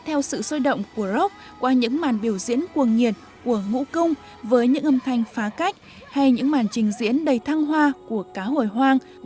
theo sự sôi động của rock qua những màn biểu diễn cuồng nhiệt của ngũ cung với những âm thanh phá cách hay những màn trình diễn đầy thăng hoa của cá hồi hoang mang